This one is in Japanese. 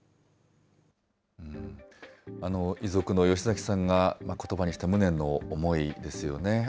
遺族の吉崎さんが、ことばにした無念の思いですよね。